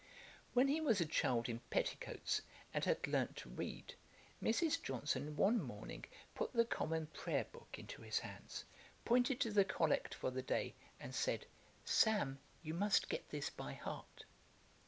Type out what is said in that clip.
] When he was a child in petticoats, and had learnt to read, Mrs. Johnson one morning put the common prayer book into his hands, pointed to the collect for the day, and said, 'Sam, you must get this by heart.'